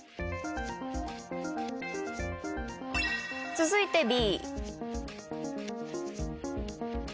続いてＢ。